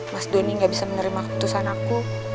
mas doni gak bisa menerima keputusan aku